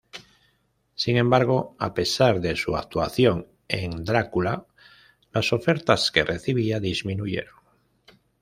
Sin embargo, a pesar de su actuación en "Drácula", las ofertas que recibía disminuyeron.